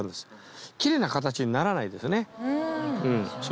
キレイな形にならないですよね。